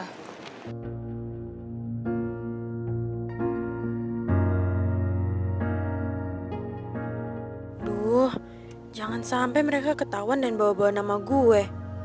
aduh jangan sampai mereka ketahuan dan bawa bawa nama gue